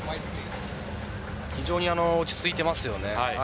非常に落ち着いています。